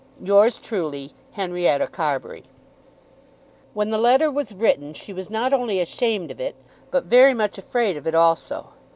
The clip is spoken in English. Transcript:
Yours truly, HENRIETTA CARBURY. When the letter was written she was not only ashamed of it, but very much afraid of it also.